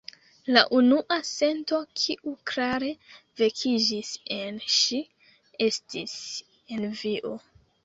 La unua sento, kiu klare vekiĝis en ŝi, estis envio.